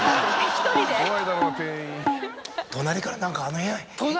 隣から「何かあの部屋」。